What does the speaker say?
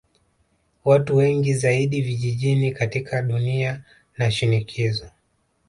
Watu wengi zaidi vijijini katika dunia na shinikizo